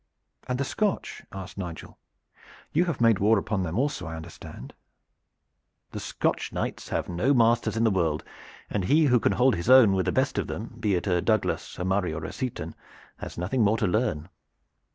"And the Scotch?" asked Nigel. "You have made war upon them also, as I understand." "The Scotch knights have no masters in the world, and he who can hold his own with the best of them, be it a Douglas, a Murray or a Seaton, has nothing more to learn.